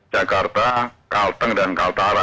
jakarta kalteng dan kaltara